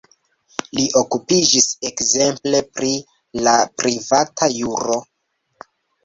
Li okupiĝis ekzemple pri la privata juro.